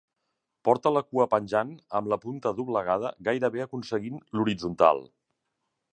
Porta la cua penjant amb la punta doblegada gairebé aconseguint l'horitzontal.